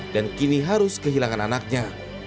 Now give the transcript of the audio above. dan kini harus kehilangan anaknya